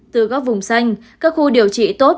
từ góc vùng xanh các khu điều trị tốt